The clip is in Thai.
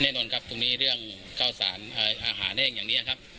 แน่นอนครับตรงนี้เรื่องข้าวสารอาหารแห้งอย่างนี้ครับ